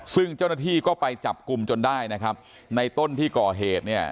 ซึ่งเจ้าหน้าที่ก็ไปจับกลุ่มจนได้นะครับในต้นที่ก่อเหตุเนี่ย